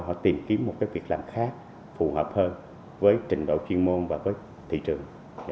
họ tìm kiếm một cái việc làm khác phù hợp hơn với trình độ chuyên môn và với thị trường